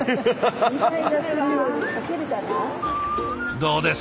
どうです？